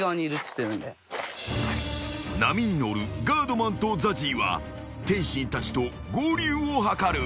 ［波に乗るがーどまんとＺＡＺＹは天心たちと合流を図る］